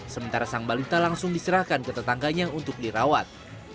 sementara sang balita langsung diserahkan ke tetangganya untuk dirawat